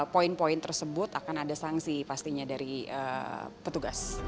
poin poin tersebut akan ada sanksi pastinya dari petugas